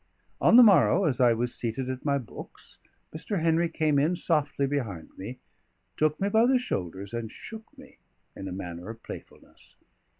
On the morrow, as I was seated at my books, Mr. Henry came in softly behind me, took me by the shoulders and shook me in a manner of playfulness.